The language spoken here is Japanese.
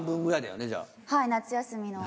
はい夏休みの。